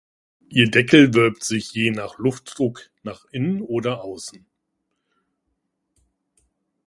Ihr Deckel wölbt sich je nach Luftdruck nach innen oder außen.